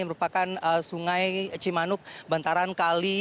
merupakan sungai cimanuk bantaran kali